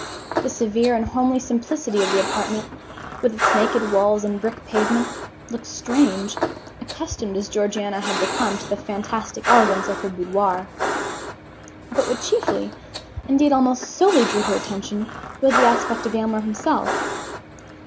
The severe and homely simplicity of the apartment, with its naked walls and brick pavement, looked strange, accustomed as Georgiana had become to the fantastic elegance of her boudoir. But what chiefly, indeed almost solely, drew her attention, was the aspect of Aylmer himself.